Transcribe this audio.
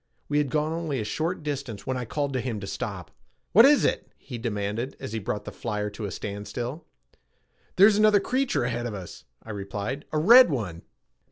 We had gone only a short distance when I called to him to stop. "What is it?" he demanded as he brought the flyer to a standstill. "There's another creature ahead of us," I replied. "A red one."